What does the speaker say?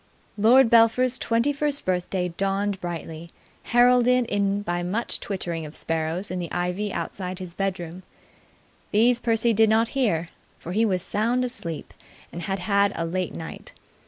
Lord Belpher's twenty first birthday dawned brightly, heralded in by much twittering of sparrows in the ivy outside his bedroom. These Percy did not hear, for he was sound asleep and had had a late night.